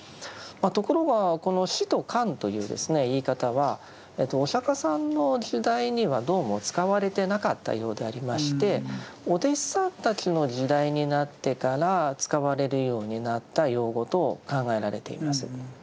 ところがこの「止」と「観」という言い方はお釈さんの時代にはどうも使われてなかったようでありましてお弟子さんたちの時代になってから使われるようになった用語と考えられています。